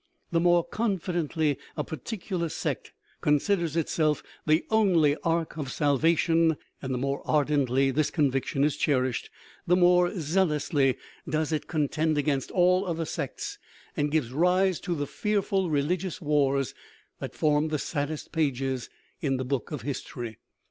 The more confidently a particular sect considers itself "the only ark of salvation," and the more ardently this convic tion is cherished, the more zealously does it contend 302 KNOWLEDGE AND BELIEF against all other sects and give rise to the fearful re ligious wars that form the saddest pages in the book of history.